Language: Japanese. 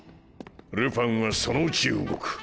ルパンはそのうち動く。